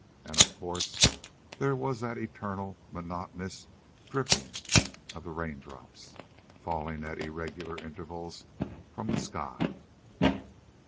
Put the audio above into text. And, of course, there was that eternal, monotonous dripping of the raindrops, falling at irregular intervals from the sky.